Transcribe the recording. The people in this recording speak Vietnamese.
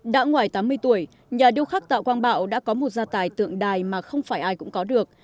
đã ngoài tám mươi tuổi nhà điêu khắc tạ quang bảo đã có một gia tài tượng đài mà không phải ai cũng có được